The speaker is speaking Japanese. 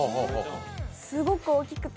すごく大きくて。